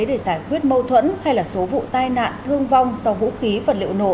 để giải quyết mâu thuẫn hay là số vụ tai nạn thương vong do vũ khí vật liệu nổ